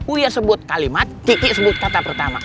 uya sebut kalimat kiki sebut kata pertama